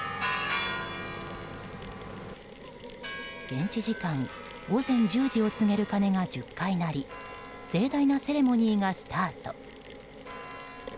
現地時間午前１０時を告げる鐘が１０回鳴り盛大なセレモニーがスタート。